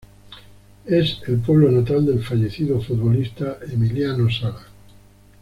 Es el pueblo natal del fallecido futbolista Emiliano Sala.